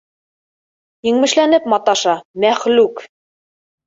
Еңмешләнеп маташа, мәхлүк!